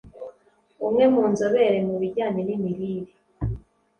Umwe mu nzobere mu bijyanye n’imirire